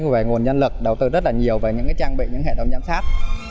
về nguồn nhân lực đầu tư rất là nhiều về những trang bị những hệ thống giám sát